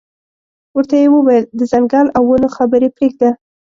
ورته یې وویل د ځنګل او ونو خبرې پرېږده.